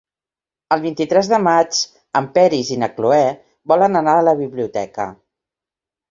El vint-i-tres de maig en Peris i na Cloè volen anar a la biblioteca.